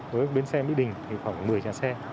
với bến xe mỹ đình thì khoảng một mươi nhà xe